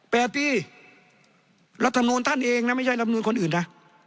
แปดปีรับธรรมนูญท่านเองนะไม่ใช่รับธรรมนูญคนอื่นนะ